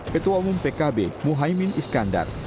ketua umum pkb muhaymin iskandar